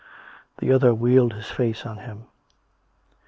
The other wheeled his face on him.